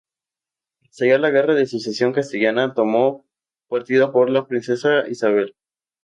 Al estallar la Guerra de Sucesión Castellana tomó partido por la princesa Isabel.